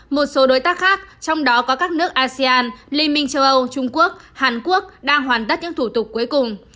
một số đối tác khác trong đó có các nước asean liên minh châu âu trung quốc hàn quốc đang hoàn tất những thủ tục cuối cùng